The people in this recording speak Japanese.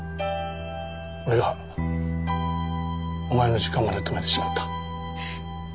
俺がお前の時間まで止めてしまった。